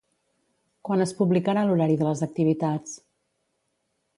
Quan es publicarà l'horari de les activitats?